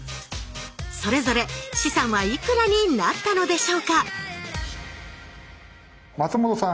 それぞれ資産はいくらになったのでしょうか松本さん